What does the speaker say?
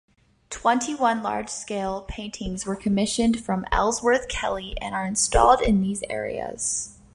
Twenty-one large-scale paintings were commissioned from Ellsworth Kelly and are installed in these areas.